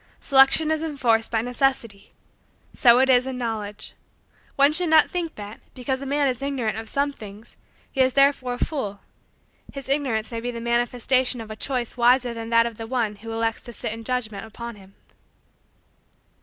Selection is enforced by necessity. So it is in Knowledge. One should not think that, because a man is ignorant of some things, he is therefore a fool; his ignorance may be the manifestation of a choice wiser than that of the one who elects to sit in judgment upon him.